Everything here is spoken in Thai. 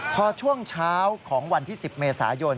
พอช่วงเช้าของวันที่๑๐เมษายน